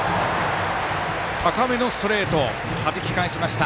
高めのストレートをはじき返しました。